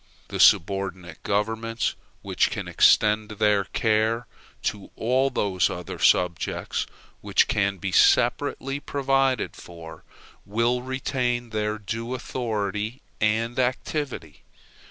The subordinate governments, which can extend their care to all those other subjects which can be separately provided for, will retain their due authority and activity.